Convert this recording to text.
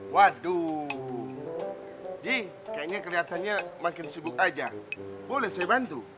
waduh jih kayaknya kelihatannya makin sibuk aja boleh saya bantu